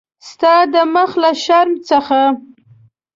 ستا د مخ له شرم څخه.